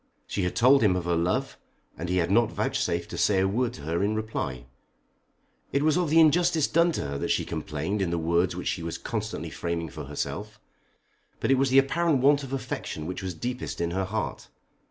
She had told him of her love, and he had not vouchsafed to say a word to her in reply. It was of the injustice done to her that she complained in the words which she was constantly framing for herself; but it was the apparent want of affection which was deepest in her heart.